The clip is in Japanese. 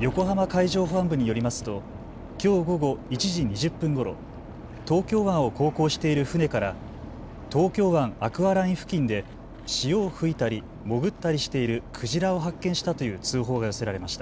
横浜海上保安部によりますときょう午後１時２０分ごろ、東京湾を航行している船から東京湾アクアライン付近で潮を吹いたり潜ったりしているクジラを発見したという通報が寄せられました。